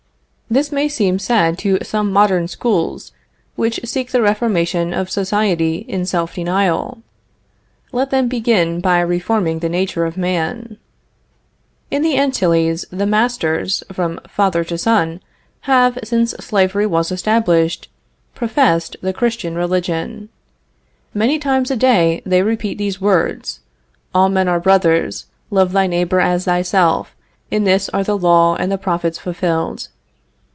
This may seem sad to some modern schools which seek the reformation of society in self denial. Let them begin by reforming the nature of man. In the Antilles the masters, from father to son, have, since slavery was established, professed the Christian religion. Many times a day they repeat these words: "All men are brothers. Love thy neighbor as thyself; in this are the law and the prophets fulfilled."